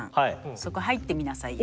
そこ入ってみなさいよ。